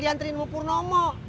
dianterin sama purnomo